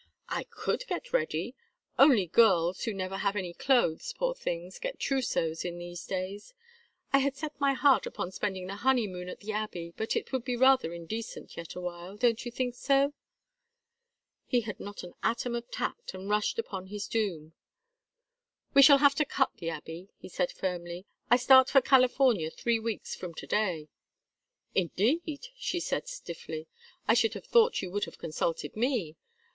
"I could get ready. Only girls, who never have any clothes, poor things, get trousseaux in these days. I had set my heart upon spending the honeymoon at the Abbey, but it would be rather indecent yet awhile; don't you think so?" He had not an atom of tact and rushed upon his doom. "We shall have to cut the Abbey," he said, firmly. "I start for California three weeks from to day." "Indeed?" she said, stiffly. "I should have thought you would have consulted me.